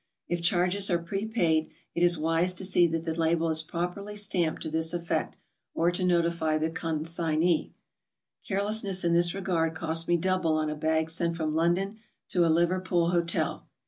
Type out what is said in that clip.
If charges are prepaid, it is wise to see that the label is properly stamped to this effect, or to notify the con signee. Carelessness in this regard cost me double on a bag sent from London to a Liverpool hotel.